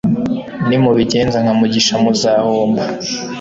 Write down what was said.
Nimubigenza nka Mugisha muzahomba